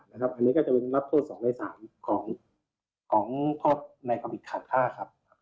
อันนี้ก็จะเป็นรับโทษ๒ใด๓ของพ่อในภาพผิกฆ่า